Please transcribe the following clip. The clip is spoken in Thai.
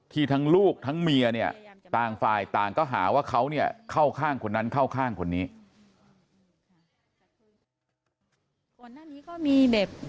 ทั้งลูกทั้งเมียเนี่ยต่างฝ่ายต่างก็หาว่าเขาเนี่ยเข้าข้างคนนั้นเข้าข้างคนนี้